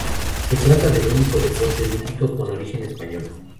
Se trata del único deporte olímpico con origen español.